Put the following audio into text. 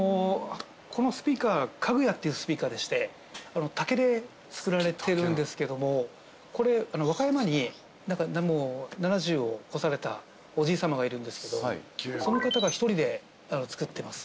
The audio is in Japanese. このスピーカーＫａｇｕｙａっていうスピーカーでして竹で作られてるんですけどもこれ和歌山に７０を超されたおじいさまがいるんですけどその方が一人で作ってます。